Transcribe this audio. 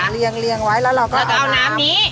เรียงเรียงไว้แล้วเราก็เอาน้ำเราก็เอาน้ำนี้